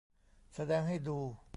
แสดงให้ดู